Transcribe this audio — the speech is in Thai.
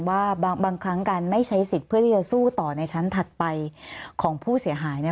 ว่าบางครั้งการไม่ใช้สิทธิ์เพื่อที่จะสู้ต่อในชั้นถัดไปของผู้เสียหายเนี่ย